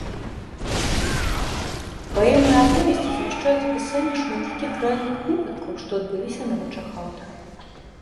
Паэмы і аповесці змяшчаюць апісанне шматлікіх рэальных выпадкаў, што адбыліся на вачах аўтара.